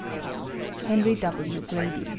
HENRY W. GRADY.